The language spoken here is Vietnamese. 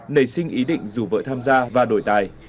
này xin ý định rủ vợ tham gia và đổi tài